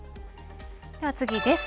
では次です。